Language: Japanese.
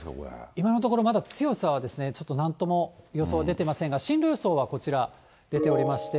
今のところ、まだ強さはですね、ちょっとなんとも予想出てませんが、進路予想はこちら、出ておりまして。